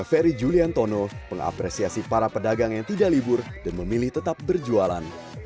pemilik indonesia ferry julian tono pengapresiasi para pedagang yang tidak libur dan memilih tetap berjualan